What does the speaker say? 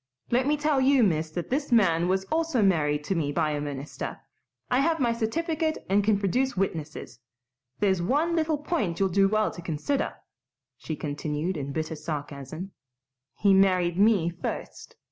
Let me tell you, miss, that this man was also married to me by a minister. I have my certificate and can produce witnesses. There's one little point you'll do well to consider," she continued, in bitter sarcasm, "he married me first.